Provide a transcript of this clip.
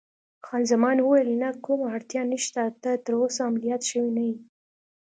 خان زمان وویل: نه، کومه اړتیا نشته، ته تراوسه عملیات شوی نه یې.